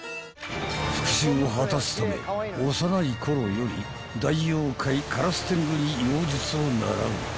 ［復讐を果たすため幼い頃より大妖怪烏天狗に妖術を習う］